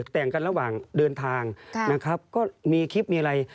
แต่งกันระหว่างเดินทางนะครับก็มีคลิปมีอะไร